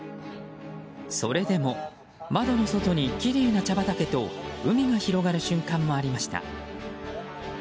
それでも窓の外にきれいな茶畑と海が広がる瞬間もありました。